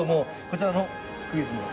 こちらのクイズを。